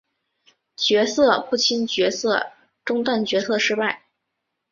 角色不清角色中断角色失败